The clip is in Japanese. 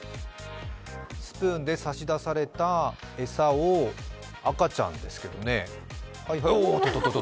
スプーンで差し出された餌を赤ちゃんですけどね。